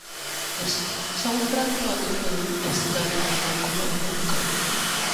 The soundtrack for the film is done by Nakul Abhyankar.